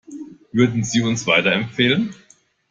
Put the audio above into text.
Würden Sie uns weiterempfehlen?